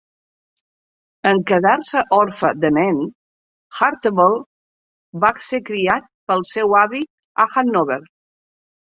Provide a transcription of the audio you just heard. En quedar-se orfe de nen, Hartleben va ser criat pel seu avi a Hanover.